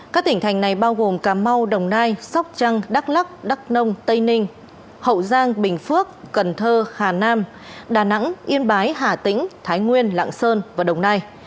các tỉnh thành này bao gồm cà mau đồng nai sóc trăng đắk lắc đắk nông tây ninh hậu giang bình phước cần thơ hà nam đà nẵng yên bái hà tĩnh thái nguyên lạng sơn và đồng nai